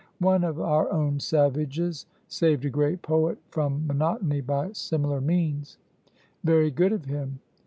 One of our own savages saved a great poet from monotony by similar means;* very good of him.